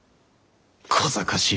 こざかしい